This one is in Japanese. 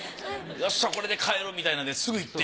よっしゃこれで買えるみたいなんですぐ行って？